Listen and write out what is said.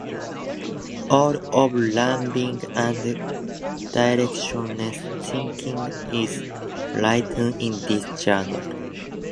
All of my rambling and directionless thinking is written in this journal.